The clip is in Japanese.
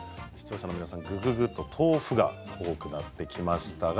視聴者の皆さんぐぐぐっと、豆腐が多くなってきました。